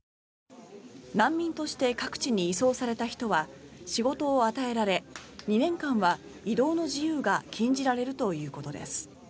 難民として各地に移送された人は仕事を与えられ２年間は移動の自由が禁じられるということです。